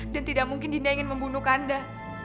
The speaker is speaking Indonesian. dan tidak mungkin dinda ingin membunuh kanda